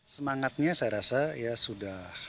semangatnya saya rasa ya sudah